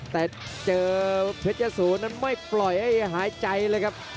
แต่เจอเพชรยะโสนั้นไม่ปล่อยให้หายใจเลยครับ